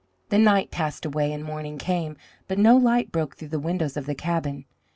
The night passed away and morning came, but no light broke through the windows of the cabin.